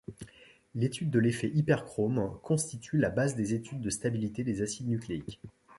L'étude de l'effet hyperchrome constitue la base des études de stabilité des acides nucléiques.